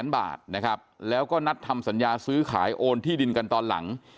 บาทนะครับแล้วก็นัดทำสัญญาซื้อขายโอนที่ดินกันตอนหลัง